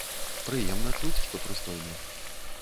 Прыемна чуць, што прыстойны.